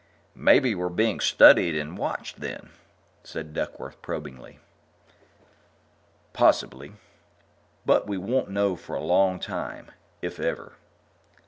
"Maybe we're being studied and watched, then," said Duckworth, probingly. "Possibly. But we won't know for a long time if ever."